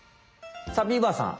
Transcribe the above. さあビーバーさん！